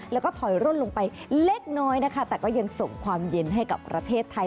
แล้วก็ถอยร่นลงไปเล็กน้อยนะคะแต่ก็ยังส่งความเย็นให้กับประเทศไทย